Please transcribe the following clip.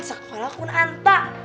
sekolah kun anta